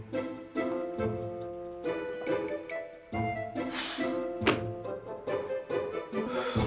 semarang aja dia mulai gitu